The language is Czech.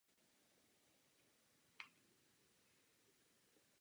Alej je zároveň uvedena na seznamu významných stromů Lesů České republiky.